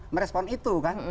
merespon itu kan